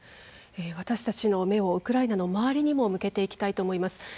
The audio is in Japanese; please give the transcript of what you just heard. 私たちの目をウクライナの周りにも向けていきたいと思います。